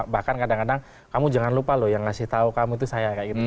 bahkan kadang kadang kamu jangan lupa loh yang ngasih tahu kamu itu saya kayak gitu